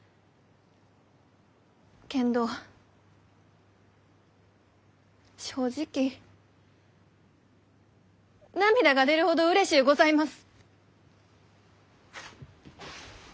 けんど正直涙が出るほどうれしゅうございます。